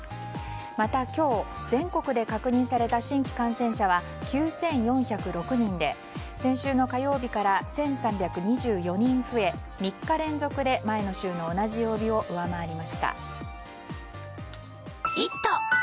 また、今日全国で確認された新規感染者は９４０６人で、先週の火曜日から１３２４人増え、３日連続で前の週の同じ曜日を上回りました。